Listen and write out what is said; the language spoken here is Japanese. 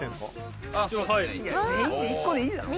全員で１個でいいだろう。